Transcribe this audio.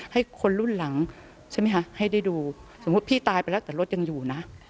ให้คนรุ่นหลังใช่ไหมคะให้ได้ดูสมมุติพี่ตายไปแล้วแต่รถยังอยู่นะ